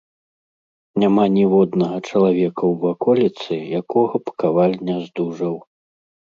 Няма ніводнага чалавека ў ваколіцы, якога б каваль не здужаў.